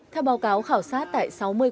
theo báo cáo khảo sát tại sáu môi trường